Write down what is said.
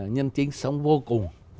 nhân chính sống vô cùng